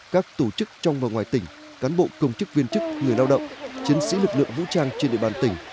các tổ chức trong và ngoài tỉnh cán bộ công chức viên chức người lao động chiến sĩ lực lượng vũ trang trên địa bàn tỉnh